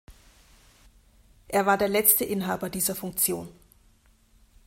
Er war der letzte Inhaber dieser Funktion.